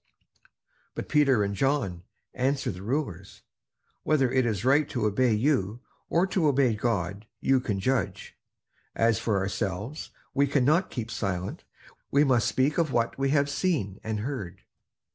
But Peter and John answered the rulers: "Whether it is right to obey you or to obey God, you can judge. As for ourselves we cannot keep silent; we must speak of what we have seen and heard."